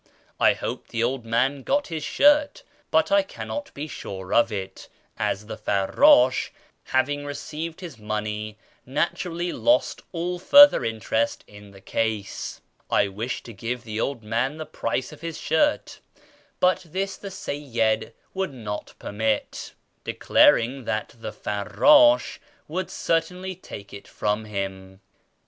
I hope the old man got his shirt, but I cannot be sure of it, as t\\Q farrdsh, having received his money, naturally lost all further interest in the case. I wished to give the old man the price of his shirt, but this the Seyyid would not permit, declaring that the farrdsh would certainly take it from him.